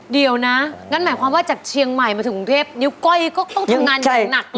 เดี๋ยวนะงั้นหมายความว่าจากเชียงใหม่มาถึงกรุงเทพนิ้วก้อยก็ต้องทำงานอย่างหนักเลย